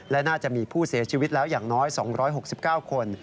และน่าจะมีผู้เสียชีวิตแล้วอย่างน้อย๒๖๙คน